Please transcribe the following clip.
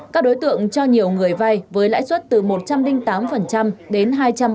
các đối tượng cho nhiều người vay với lãi suất từ một trăm linh tám đến hai trăm năm mươi